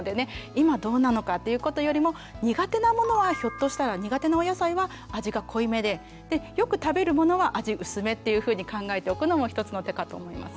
今どうなのかということよりも苦手なものはひょっとしたら苦手なお野菜は味が濃いめででよく食べるものは味薄めというふうに考えておくのも一つの手かと思います。